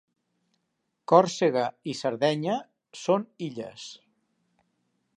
Còrsega i Sardenya són illes